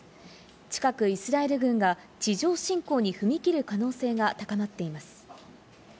近く、イスラエル軍が地上侵攻に踏み切る可能性が高まっています。